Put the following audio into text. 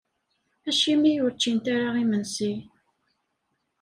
Acimi ur ččint ara imensi?